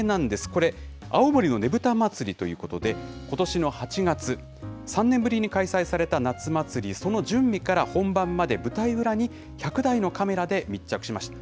これ、青森のねぶた祭ということで、ことしの８月、３年ぶりに開催された夏祭り、その準備から本番まで、舞台裏に１００台のカメラで密着しました。